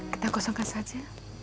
kita kosongkan saja